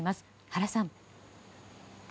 原さん。